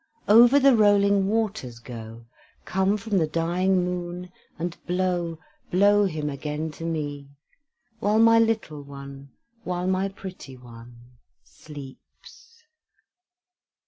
Over the rolling waters go, Come from the dying moon, and blow, Blow him again to me: While my little one, while my pretty one, sleeps.